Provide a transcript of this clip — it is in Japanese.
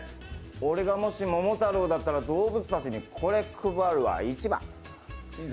俺がもし桃太郎だったら動物たちにこれ配るわ、一番。